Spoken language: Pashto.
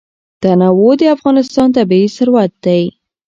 تنوع د افغانستان طبعي ثروت دی.